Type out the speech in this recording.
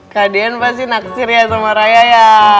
kak dian pasti naksir ya sama raya ya